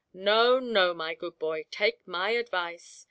No, no, my good boy, take my advice.